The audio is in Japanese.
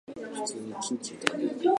ヴェステルボッテン県の県都はウメオである